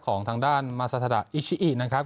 ของทางด้านมาซาทาดะอิชิอินะครับ